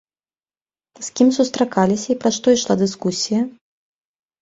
З кім сустракаліся і пра што ішла дыскусія?